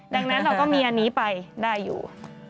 ดังนั้นเราก็มีอันนี้ไปได้อยู่